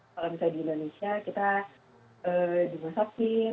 kalau misalnya di indonesia kita dimasakin